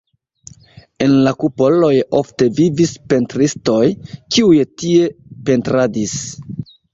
En la kupoloj ofte vivis pentristoj, kiuj tie pentradis.